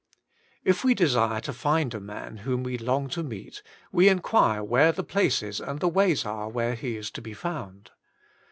IF we desire to find a man whom we long to meet, we inquire where the places and the ways are where he is to be found.